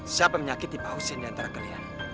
siapa yang menyakiti pak hussein diantara kalian